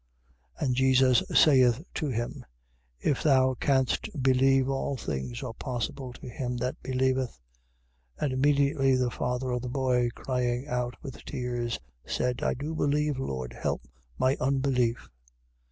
9:22. And Jesus saith to him: If thou canst believe, all things are possible to him that believeth. 9:23. And immediately the father of the boy crying out, with tears said: I do believe, Lord. Help my unbelief.